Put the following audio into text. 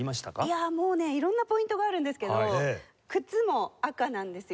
いやもうね色んなポイントがあるんですけど靴も赤なんですよ。